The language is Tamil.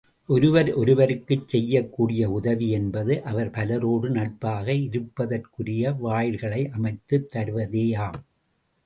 ஒருவர் ஒருவருக்குச் செய்யக்கூடிய உதவி என்பது அவர் பலரோடு நட்பாக இருப்பதற்குரிய வாயில்களை அமைத்துத் தருவதேயாம்.